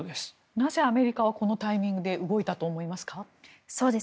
なぜアメリカはこのタイミングで動いたと思いますか？